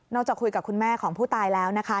จากคุยกับคุณแม่ของผู้ตายแล้วนะคะ